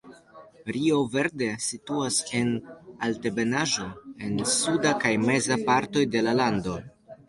Rio Verde situas en altebenaĵo en suda kaj meza partoj de la lando.